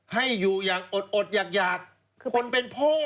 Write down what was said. ให้อยู่อย่างอดอยากคนเป็นพ่อ